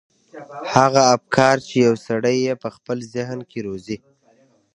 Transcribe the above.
هغه افکار چې يو سړی يې په خپل ذهن کې روزي.